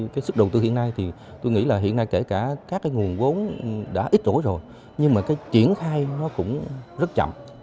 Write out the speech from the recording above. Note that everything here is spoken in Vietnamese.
cái sức đầu tư hiện nay thì tôi nghĩ là hiện nay kể cả các cái nguồn vốn đã ít rỗi rồi nhưng mà cái triển khai nó cũng rất chậm